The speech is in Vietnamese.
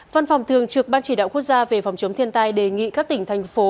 văn phòng thường trực ban chỉ đạo quốc gia về phòng chống thiên tai đề nghị các tỉnh thành phố